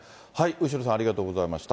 後呂さん、ありがとうございました。